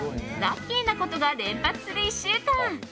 ラッキーなことが連発する１週間。